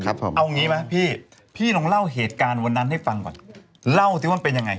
ครับผมเอาอย่างงี้มาพี่พี่ต้องเล่าเหตุการณ์วันนั้นให้ฟังก่อน